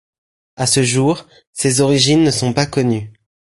À ce jour, ses origines ne sont pas connues.